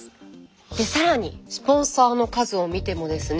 さらにスポンサーの数を見てもですね